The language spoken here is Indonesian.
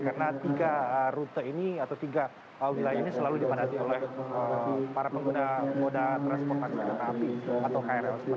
karena tiga rute ini atau tiga wilayah ini selalu dipanati oleh para pengguna moda transportasi kata api atau krl